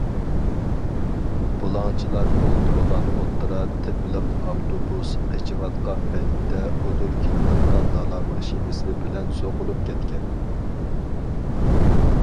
بۇلاڭچىلار ئولتۇرغان ئوتتۇرا تىپلىق ئاپتوبۇس قېچىۋاتقان پەيتتە ئۇدۇل كېلىۋاتقان دالا ماشىنىسى بىلەن سوقۇلۇپ كەتكەن.